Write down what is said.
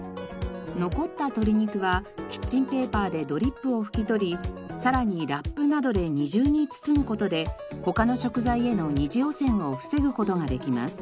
残った鶏肉はキッチンペーパーでドリップを拭き取りさらにラップなどで２重に包む事で他の食材への二次汚染を防ぐ事ができます。